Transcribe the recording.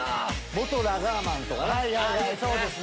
元ラガーマンとかね。